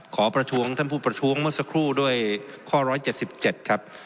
ขอประท้วงท่านผู้ประท้วงเมื่อสักครู่ด้วยข้อ๑๗๗ครับ